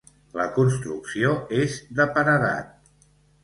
La construcció és de paredat.